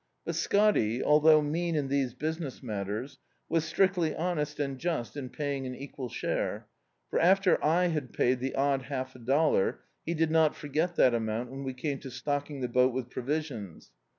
But Scotty, although mean In these bus iness matters, was strictly honest and just in paying an equal share; for, after I had paid the odd half a dollar, he did not forget that amoimt when we came to stocking the boat with provisions.